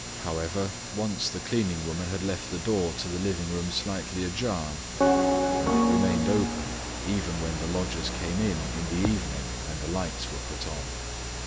However, once the cleaning woman had left the door to the living room slightly ajar, and it remained open even when the lodgers came in in the evening and the lights were put on.